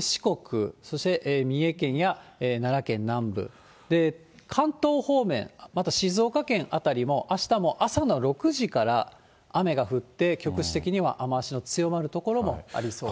四国、そして三重県や奈良県南部、関東方面、あと静岡県辺りも、あしたも朝の６時から雨が降って、局地的には雨足の強まる所もありそうです。